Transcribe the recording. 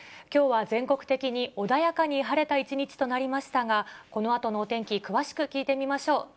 きょうは全国的に穏やかに晴れた一日となりましたが、このあとのお天気、詳しく聞いてみましょう。